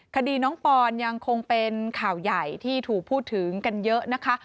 คดีน้องปอนยังคงเป็นข่าวใหญ่ที่ถูกพูดถึงกันเยอะนะคะ